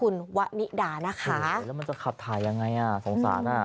แล้วมันจะขับถ่ายยังไง